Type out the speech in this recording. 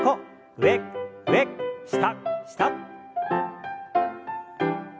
上上下下。